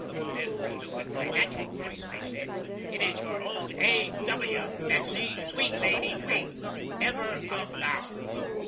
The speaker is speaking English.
Then resumin' my nat'ral voice, I said, "It is your own A. W., Betsy! Sweet lady, wake! Ever of thou!"